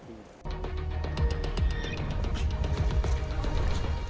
sesuai namanya gerakan silat ini bergerakan seekor harimau